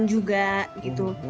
iya juga gitu